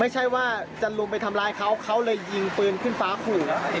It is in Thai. ไม่ใช่ว่าจะลุมไปทำร้ายเขาเขาเลยยิงปืนขึ้นฟ้าขู่